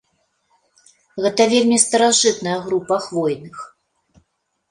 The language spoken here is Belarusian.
Гэта вельмі старажытная група хвойных.